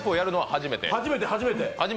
初めて、初めて！